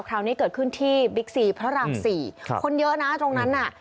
คราวนี้เกิดขึ้นที่บิ๊กซีพระรามสี่ครับคนเยอะนะตรงนั้นน่ะ